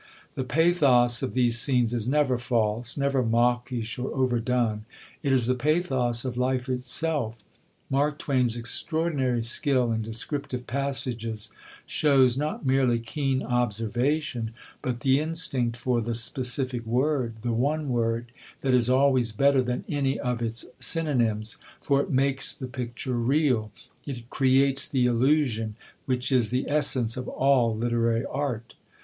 The pathos of these scenes is never false, never mawkish or overdone; it is the pathos of life itself. Mark Twain's extraordinary skill in descriptive passages shows, not merely keen observation, but the instinct for the specific word the one word that is always better than any of its synonyms, for it makes the picture real it creates the illusion, which is the essence of all literary art.